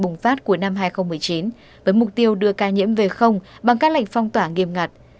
bùng phát cuối năm hai nghìn một mươi chín với mục tiêu đưa ca nhiễm về không bằng các lệnh phong tỏa nghiêm ngặt